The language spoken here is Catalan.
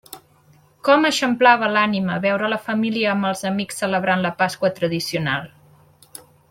Com eixamplava l'ànima veure la família amb els amics celebrant la Pasqua tradicional!